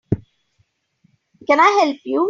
Can I help you?